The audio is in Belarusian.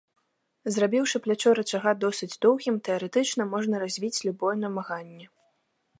Зрабіўшы плячо рычага досыць доўгім, тэарэтычна, можна развіць любое намаганне.